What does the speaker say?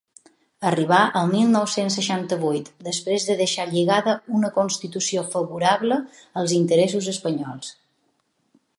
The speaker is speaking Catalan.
Arribà el mil nou-cents seixanta-vuit després de deixar lligada una constitució favorable als interessos espanyols.